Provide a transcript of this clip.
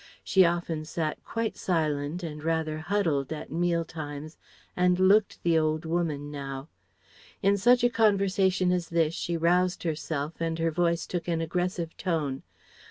She often sat quite silent and rather huddled at meal times and looked the old woman now. In such a conversation as this she roused herself and her voice took an aggressive tone.